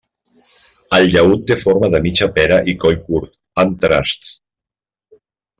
El llaüt té forma de mitja pera i coll curt amb trasts.